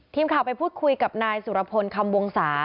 ทีมข่าวไปพูดคุยกับนายสุรพลคำวงศา